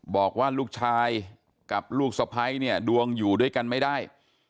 บอกว่าลูกชายกับลูกสะพ้ายเนี่ยดวงอยู่ด้วยกันไม่ได้